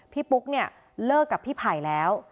พี่ปุ๊กเลิกกับพี่ผ่ายแล้ว